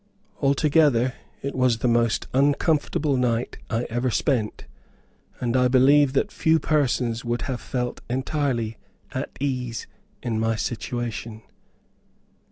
Altogether, it was the most uncomfortable night I ever spent, and I believe that few persons would have felt entirely at ease in my situation.